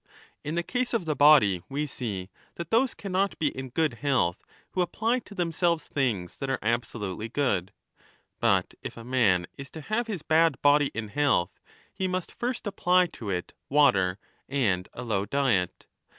In the case of the body we see that those can BOOK II. 3 ngg'' not be in good health who apply to themselves things that are absolutely good, but if a man is to have his bad body in health, he must first apply to it water and a low diet.